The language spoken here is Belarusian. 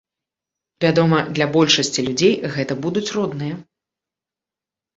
Вядома, для большасці людзей гэта будуць родныя.